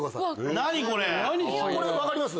何これ⁉これ分かります？